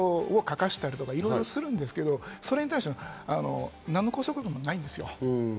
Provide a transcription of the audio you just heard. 所轄によっては誓約書を書かせたりいろいろするんですけど、それに対して何の拘束力もないんですよ。